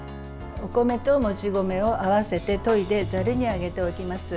お米ともち米を合わせてといでざるにあげておきます。